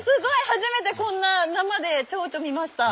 初めてこんな生でチョウチョ見ました。